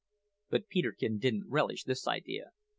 "But Peterkin didn't relish this idea.